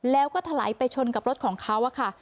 แล้วก็ถลายไปชนกับรถของเขาค่ะ